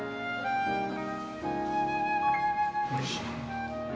おいしい。